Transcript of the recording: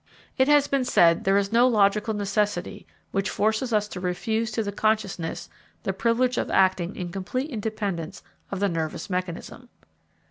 It has been said: there is no logical necessity which forces us to refuse to the consciousness the privilege of acting in complete independence of the nervous mechanism.